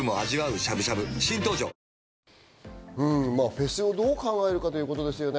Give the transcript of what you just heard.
フェスをどう考えるかということですね。